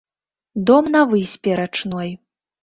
Дом на выспе рачной.